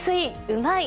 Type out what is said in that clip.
うまい！